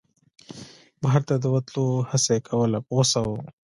بهر ته د وتلو هڅه یې کوله په غوسه و.